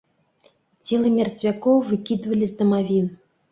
Целы мерцвякоў выкідвалі з дамавін.